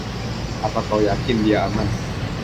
Apa kau yakin dia aman?